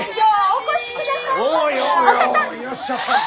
いらっしゃいまし！